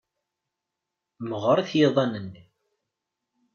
Meɣɣrit yiḍan-nni.